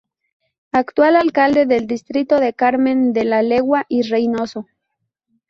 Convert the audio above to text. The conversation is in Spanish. Actual alcalde del distrito de Carmen de la Legua y Reynoso.